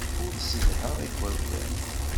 Ur ssedhaɣ igerdan.